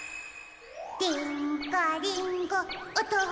リーンゴリンゴおとうふ